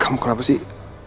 kamu kenapa sih